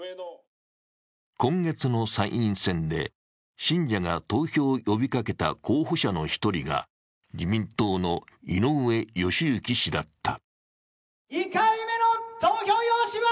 今月の参院選で信者が投票を呼びかけた候補者の１人が自民党の井上義行氏だった。